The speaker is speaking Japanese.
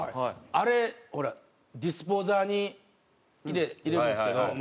あれ俺ディスポーザーに入れるんですけど。